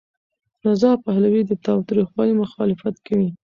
رضا پهلوي د تاوتریخوالي مخالفت کوي.